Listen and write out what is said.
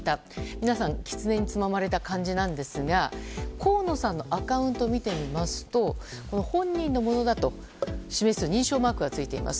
皆さん、キツネにつままれた感じなんですが河野さんのアカウントを見ると本人のものだと示す認証マークがついています。